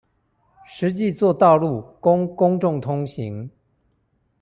實際作道路供公眾通行